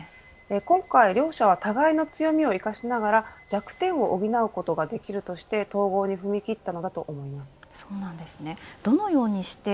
今回両社は互いの強みを生かしながら弱点を補うことができるとして統合に踏み切ったのだと思います。